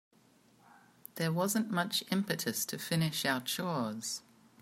There wasn't much impetus to finish our chores.